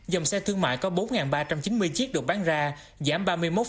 dòng xe thương mại có bốn ba trăm chín mươi chiếc được bán ra giảm ba mươi một chín